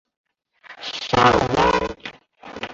沙尔拉。